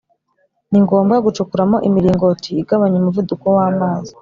Ni ngombwa gucukuramo imiringoti igabanya umuvuduko w’amazi